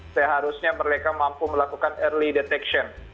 seharusnya mereka mampu melakukan early detection